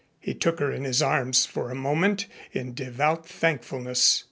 He took her in his arms for a moment in devout thankfulness.